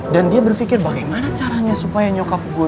dan dia berpikir bagaimana caranya supaya nyokap gue